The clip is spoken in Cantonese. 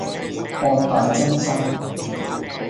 博大精深